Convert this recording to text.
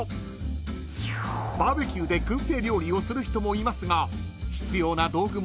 ［バーベキューで薫製料理をする人もいますが］